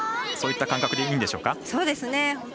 そういった感覚でいいんでしょうか。